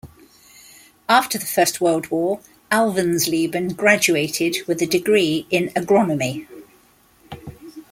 After the First World War, Alvensleben graduated with a degree in agronomy.